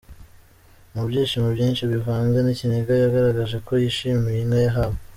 Mu byishimo byinshi bivanze n’ikiniga yagaragaje ko yishimiye inka yahawe.